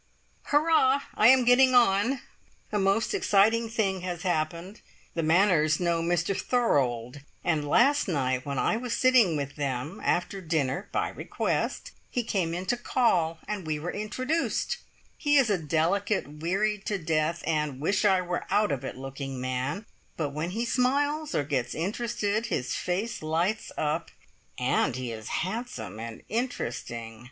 Hurrah! I am getting on. A most exciting thing has happened. The Manners know Mr Thorold, and last night, when I was sitting with then after dinner (by request!) he came in to call, and we were introduced. He is a delicate, wearied to death, and wish I were out of it looking man, but when he smiles or gets interested his face lights up, and he is handsome and interesting.